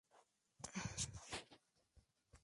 El Reino Unido utiliza un esquema similar.